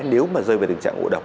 nếu mà rơi vào tình trạng ổ độc